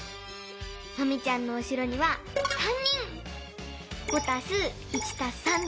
マミちゃんのうしろには３人。